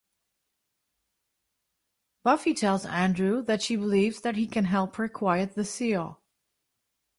Buffy tells Andrew that she believes that he can help her quiet the seal.